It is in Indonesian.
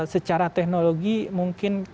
secara teknologi mungkin